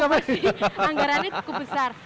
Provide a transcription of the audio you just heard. anggarannya cukup besar